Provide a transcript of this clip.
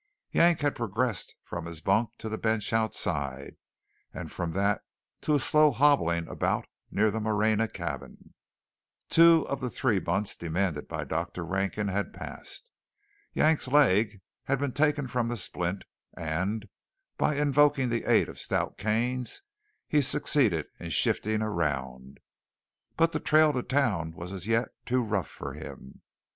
Yank had progressed from his bunk to the bench outside, and from that to a slow hobbling about near the Moreña cabin. Two of the three months demanded by Dr. Rankin had passed. Yank's leg had been taken from the splint, and, by invoking the aid of stout canes, he succeeded in shifting around. But the trail to town was as yet too rough for him.